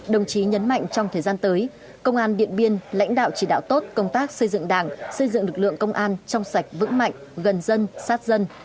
đồng chí nhấn mạnh trong thời gian tới công an điện biên lãnh đạo chỉ đạo tốt công tác xây dựng đảng xây dựng lực lượng công an trong sạch vững mạnh gần dân sát dân